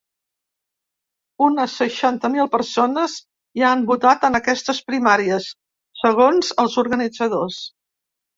Unes seixanta mil persones ja han votat en aquestes primàries, segons els organitzadors.